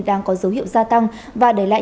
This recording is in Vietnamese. đang có dấu hiệu gia tăng và đẩy lại